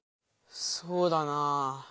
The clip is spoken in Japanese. そうだなぁ。